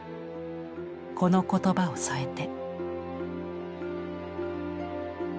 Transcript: この言葉を添えて。